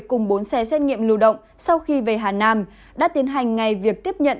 cùng bốn xe xét nghiệm lưu động sau khi về hà nam đã tiến hành ngay việc tiếp nhận